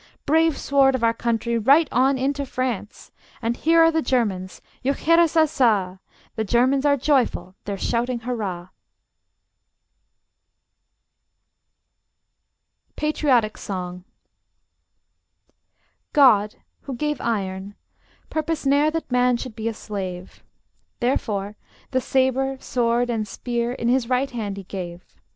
Brave sword of our country, right on into France! And here are the Germans: juchheirassassa! The Germans are joyful; they're shouting hurrah! PATRIOTIC SONG God, who gave iron, purposed ne'er That man should be a slave: Therefore the sabre, sword, and spear In his right hand He gave.